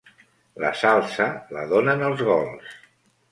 La salsa la donen els gols.